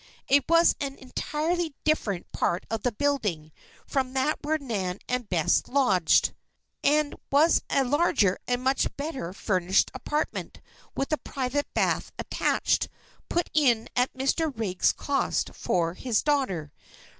It was in an entirely different part of the building from that where Nan and Bess lodged, and was a larger and much better furnished apartment, with a private bath attached, put in at Mr. Riggs' cost for his daughter.